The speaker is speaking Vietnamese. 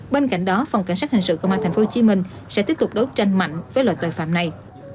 bên cạnh đó phòng cảnh sát hình sự công an tp hcm sẽ tiếp tục đấu tranh mạnh với loại tội phạm này